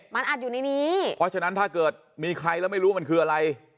เพราะฉะนั้นถ้าเกิดมีใครแล้วไม่รู้มันคืออะไร